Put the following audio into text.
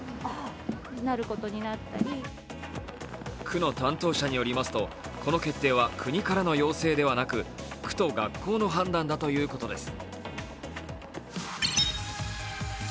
区の担当者によりますと、この決定は国からの要請ではなく、区と学校の判断だということです。